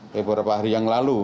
beberapa hari yang lalu